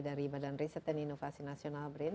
dari badan riset dan inovasi nasional brin